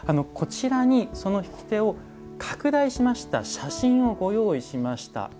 こちらにその引き手を拡大しました写真をご用意しました。